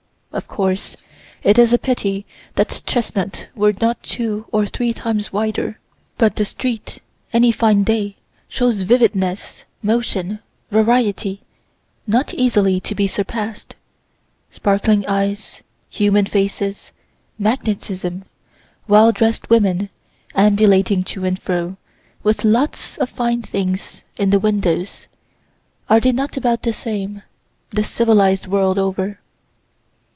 Of course it is a pity that Chestnut were not two or three times wider; but the street, any fine day, shows vividness, motion, variety, not easily to be surpass'd. (Sparkling eyes, human faces, magnetism, well dress'd women, ambulating to and fro with lots o fine things in the windows are they not about the same, the civilized world over?)